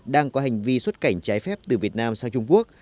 đang có hành vi xuất cảnh trái phép từ việt nam sang trung quốc